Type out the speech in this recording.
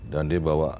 dan dia bawa